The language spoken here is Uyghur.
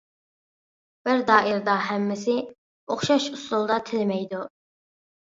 بىر دائىرىدە ھەممىسى ئوخشاش ئۇسۇلدا تىلىمەيدۇ.